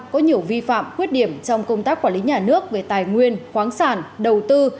có nhiều vi phạm khuyết điểm trong công tác quản lý nhà nước về tài nguyên khoáng sản đầu tư